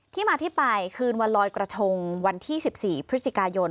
ที่มาที่ไปคืนวันลอยกระทงวันที่๑๔พฤศจิกายน